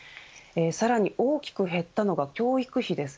さらに大きく減ったのが教育費です。